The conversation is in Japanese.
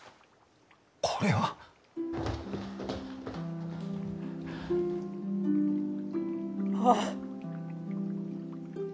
これは。ああ。